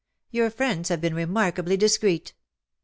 Your friends have been remarkably discreet.